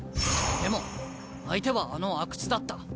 でも相手はあの阿久津だった。